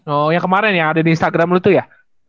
oh yang kemarin ya ada di instagram lu tuh ya